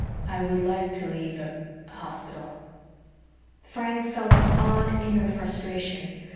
"I would like to leave the hospital." Frank felt an odd, inner frustration.